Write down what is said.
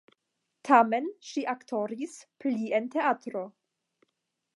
Tamen ŝi aktoris pli en teatro.